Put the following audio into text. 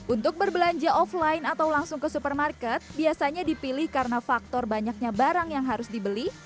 untuk berbelanja offline atau langsung ke supermarket biasanya dipilih karena faktor banyaknya barang yang harus dibeli